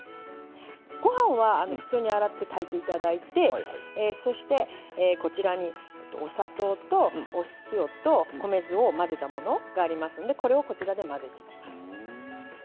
ご飯は普通に洗って炊いていただいてそしてこちらにお砂糖とお塩と米酢を混ぜたものがありますんでこれをこちらで混ぜていきます。